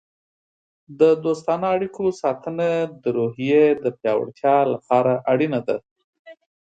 د دوستانه اړیکو ساتنه د روحیې د پیاوړتیا لپاره اړینه ده.